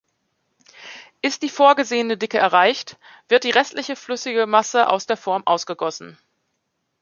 Ist die vorgesehene Dicke erreicht, wird die restliche flüssige Masse aus der Form ausgegossen.